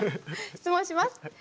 質問します。